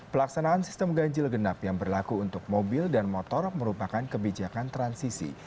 pelaksanaan sistem ganjil genap yang berlaku untuk mobil dan motor merupakan kebijakan transisi